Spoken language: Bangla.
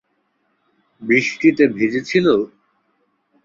বৃষ্টিতে ভিজেছিলো?